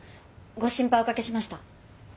ご心配お掛けしました。